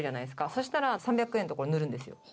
そしたら、３００円の所塗るんですよ。